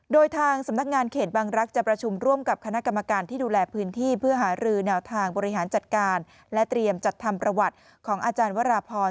โดยทางสำนักงานเขตบางรักษ์จะประชุมร่วมกับคณะกรรมการที่ดูแลพื้นที่เพื่อหารือแนวทางบริหารจัดการและเตรียมจัดทำประวัติของอาจารย์วราพร